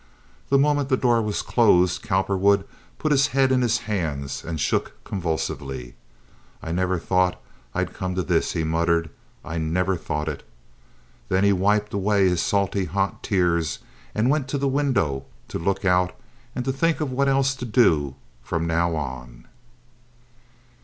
The moment the door was closed Cowperwood put his head in his hands and shook convulsively. "I never thought I'd come to this," he muttered. "I never thought it." Then he wiped away his salty hot tears, and went to the window to look out and to think of what else to do from now on.